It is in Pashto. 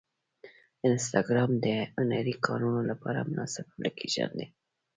انسټاګرام د هنري کارونو لپاره مناسب اپلیکیشن دی.